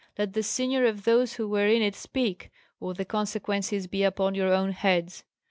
Let the senior of those who were in it speak! or the consequences be upon your own heads."